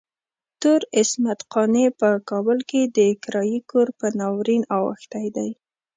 تور عصمت قانع په کابل کې د کرايي کور په ناورين اوښتی دی.